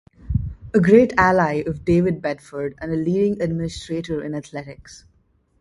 A great ally of David Bedford and a leading administrator in athletics.